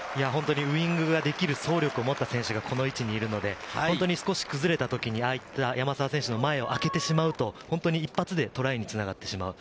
ウイングができる走力を持った選手がこの位置にいるので、少し崩れたときに山沢選手の前を空けてしまうと、一発でトライにつながってしまう。